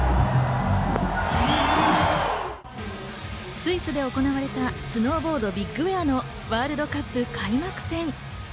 スイスで行われたスノーボードビッグエアのワールドカップ開幕戦。